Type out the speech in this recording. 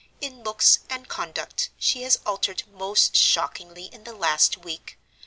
In looks and conduct she has altered most shockingly in the last week.